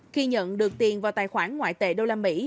khi nhận được tiền vào tài khoản ngoại tệ đô la mỹ